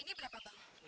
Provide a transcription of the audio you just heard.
ini berapa bang